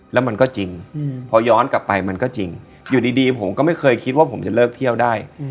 แล้วมันก็จริงพอย้อนกลับไปมันก็จริงอยู่ดีผมก็ไม่เคยคิดว่าผมจะเลิกเที่ยวได้